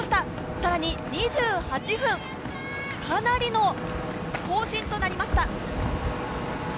さらに２８分、かなりの更新となりました。